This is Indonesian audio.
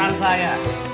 itulah mulut kita